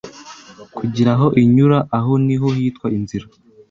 kugira aho inyura aho ni ho hitwa “inzira”